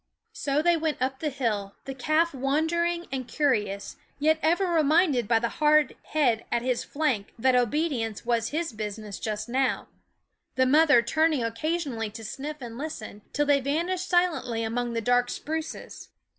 So they went up the hill, the calf wonder ing and curious, yet ever reminded by the hard head at his flank that obedience was his business just now, the mother turning occasionally to sniff and listen, till they van ished silently among the dark spruces.